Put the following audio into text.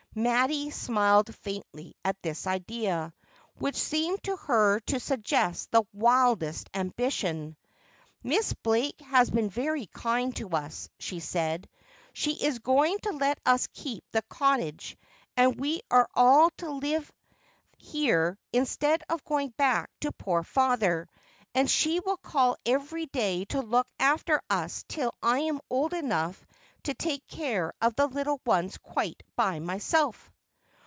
Mattie smiled faintly at this idea, which seemed to her to suggest the wildest ambition. 'Miss Blake has been very kind to us,' she said. 'She is going to let us keep the cottage, and we are al) to live here instead of going back to poor father, and she will call every day to look after us till I am old enough to take care of the little oned quite by myself.'